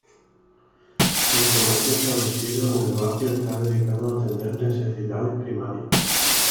El comercio establecido en el barrio está dedicado a atender necesidades primarias.